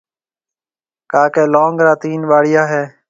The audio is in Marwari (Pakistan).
ڪاڪيَ لونگ را تين ٻاݪيا هيَ۔